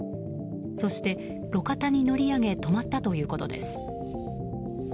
そして、路肩に乗り上げ止まったということです。